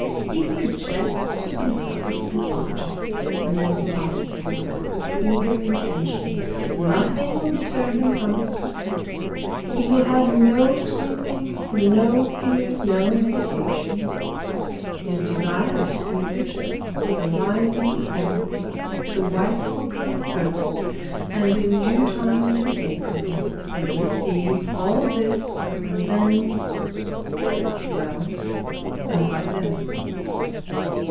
He suggests to himself an object, and then starts for it with eager intention. Nothing will deter him from his pursuit. He will have no scruples, no fears, no hesitation. His desire is to be a bishop with a rising family, the wife will come first, and in due time the apron. You will see all this, and then ' 'Well, and what then?'